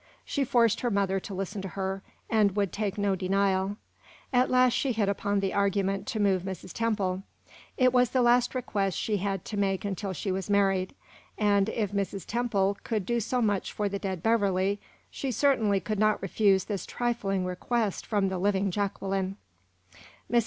She forced her mother to listen to her, and would take no denial. At last she hit upon the argument to move Mrs. Temple. It was the last request she had to make until she was married, and, if Mrs. Temple could do so much for the dead Beverley, she certainly could not refuse this trifling request from the living Jacqueline. Mrs.